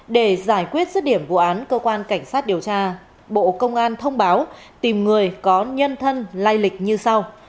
để giải quyết sức điểm vụ án cơ quan cảnh sát điều tra bộ công an thông báo tìm người có nhân thân lai lịch như sau